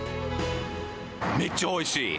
めっちゃおいしい！